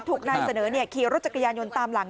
ถูกนั้นเสนอเนี่ยเขียวรถจักรยานยนต์ตามหลัง